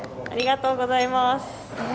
ありがとうございます。